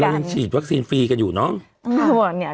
ยังฉีดวัคซีนฟรีกันอยู่เนอะ